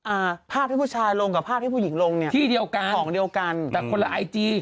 อ่าภาพที่ผู้ชายลงกับภาพที่ผู้หญิงลงเนี่ยที่เดียวกันของเดียวกันแต่คนละไอจี